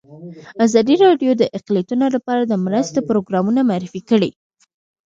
ازادي راډیو د اقلیتونه لپاره د مرستو پروګرامونه معرفي کړي.